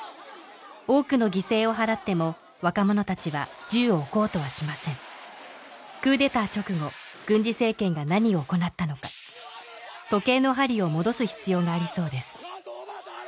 多くの犠牲を払っても若者たちは銃を置こうとはしませんクーデター直後軍事政権が何を行ったのか時計の針を戻す必要がありそうです